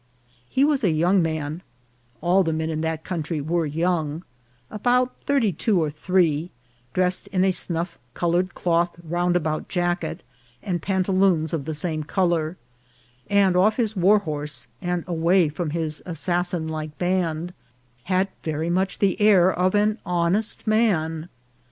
He was a young man — all the men in that country were young — about thirty two or three, dressed in a snuff col oured cloth roundabout jacket, and pantaloons of the same colour ; and off his warhorse, and away from his assassin like band, had very much the air of an honest man.